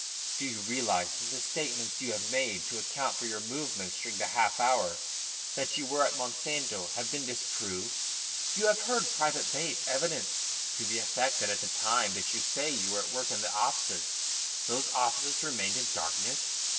"Do you realise that the statements you have made to account for your movements during the half hour that you were at Monsanto have been disproved? You have heard Private Bates's evidence to the effect that at the time when you say you were at work in the offices, those offices remained in darkness.